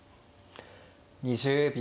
２０秒。